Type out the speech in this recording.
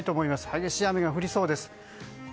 激しい雨が降りそうです。